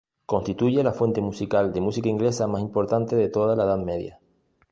Constituye la fuente musical de música inglesa más importante de toda la Edad Media.